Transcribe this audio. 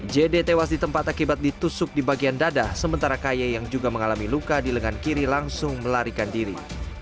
jd tewas di tempat akibat ditusuk di bagian dada sementara ky yang juga mengalami luka di lengan kiri langsung melarikan diri